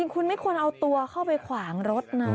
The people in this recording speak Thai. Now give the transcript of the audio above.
คุณไม่ควรเอาตัวเข้าไปขวางรถนะ